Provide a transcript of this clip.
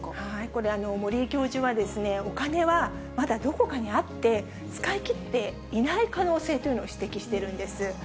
これ、森井教授はですね、お金はまだどこかにあって、使い切っていない可能性というのを指摘しているんです。